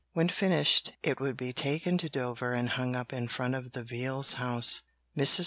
When finished, it would be taken to Dover and hung up in front of the Veals' house. Mrs.